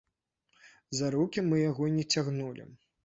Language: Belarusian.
За рукі мы яго не цягнулі.